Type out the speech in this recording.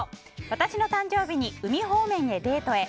私の誕生日に海方面へデートへ。